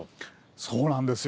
そうなんですよ。